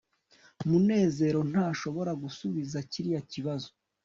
munezero ntashobora gusubiza kiriya kibazo